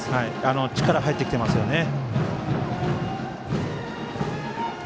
力が入ってきてますよね。